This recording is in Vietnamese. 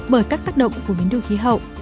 bởi các tác động của biến đổi khí hậu